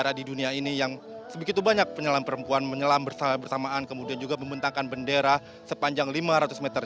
negara di dunia ini yang sebegitu banyak penyelam perempuan menyelam bersamaan kemudian juga membentangkan bendera sepanjang lima ratus meter